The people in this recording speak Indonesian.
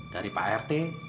dari pak rt